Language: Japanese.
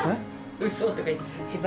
うそーとか言って。